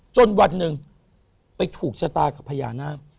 วันหนึ่งไปถูกชะตากับพญานาค